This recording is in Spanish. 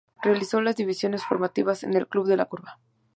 Realizó las divisiones formativas en el club de la curva.